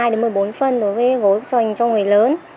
một mươi hai đến một mươi bốn phân đối với gối xoanh cho người lớn